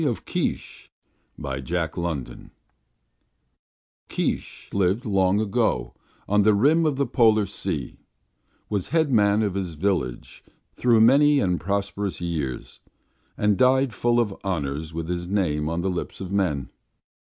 THE STORY OF KEESH Keesh lived long ago on the rim of the polar sea, was head man of his village through many and prosperous years, and died full of honors with his name on the lips of men.